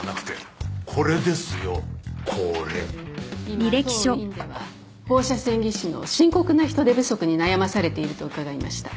今当院では放射線技師の深刻な人手不足に悩まされていると伺いました。